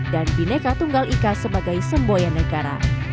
dan bhinneka tunggal ika sebagai semboyan negara